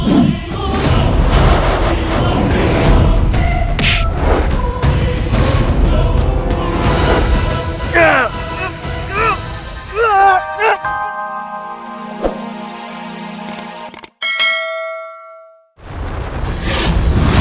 ayo rati kita harus segera ke sana